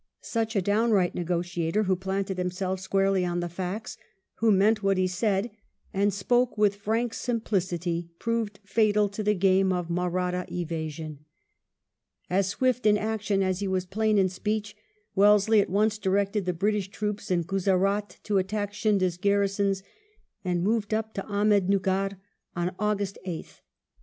Such a downright negotiator, who planted himself squarely on the facts, who meant what he said, and spoke with frank simplicity, proved fatal to the game of Mahratta evasion. Ill CAPTURES AURUNGABAD 71 As swift in action as he was plain in speech, Welles ley at once directed the British troops in Guzerat to attack Scindia's garrisons, and moved np to Ahmed nugger on August 8th.